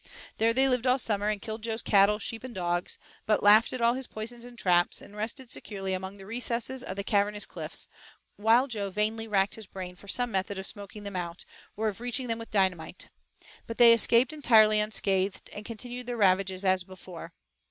There they lived all summer and killed Joe's cattle, sheep, and dogs, but laughed at all his poisons and traps and rested securely among the recesses of the cavernous cliffs, while Joe vainly racked his brain for some method of smoking them out, or of reaching them with dynamite. But they escaped entirely unscathed, and continued their ravages as before.